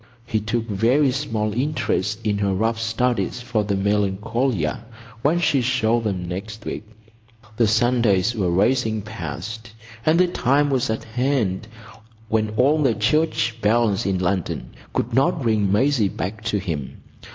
He took very small interest in her rough studies for the Melancolia when she showed them next week. The Sundays were racing past, and the time was at hand when all the church bells in London could not ring Maisie back to him.